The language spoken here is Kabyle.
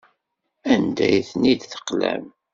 Anda ay ten-id-teqlam?